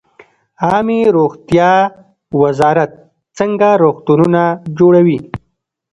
عامې روغتیا وزارت څنګه روغتونونه جوړوي؟